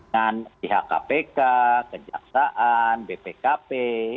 dan pihak kpk kejaksaan bpkp